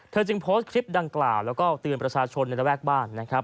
จึงโพสต์คลิปดังกล่าวแล้วก็เตือนประชาชนในระแวกบ้านนะครับ